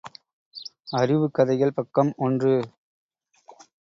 அறிவுக் கதைகள் பக்கம் ஒன்று.